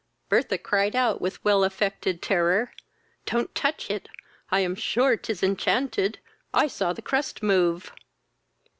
Bertha cried out with well affected terror, "Don't touch it; I am sure 'tis enchanted; I saw the crust move."